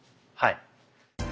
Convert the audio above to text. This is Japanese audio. はい。